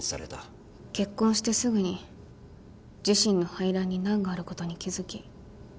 結婚してすぐに自身の排卵に難があることに気付き